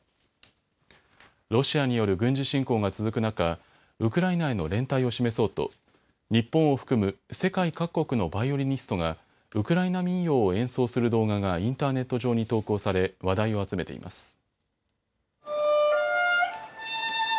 ロシアによる軍事侵攻が続く中、ウクライナへの連帯を示そうと日本を含む世界各国のバイオリニストがウクライナ民謡を演奏する動画がインターネット上に投稿され話題を集めています。